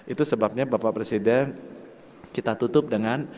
itu sebabnya bapak presiden kita tutup dengan